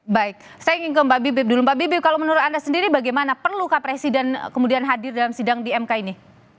baik saya ingin ke mbak bibip dulu mbak bibi kalau menurut anda sendiri bagaimana perlukah presiden kemudian hadir dalam sidang di mk ini